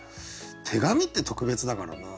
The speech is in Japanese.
手紙って特別だからな。